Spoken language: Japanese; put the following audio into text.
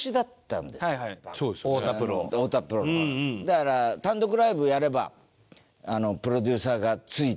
だから単独ライブやればプロデューサーがついて。